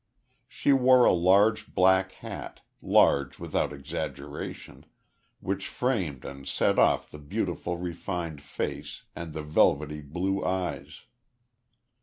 She wore a large black hat large without exaggeration which framed and set off the beautiful refined face, and the velvety blue eyes.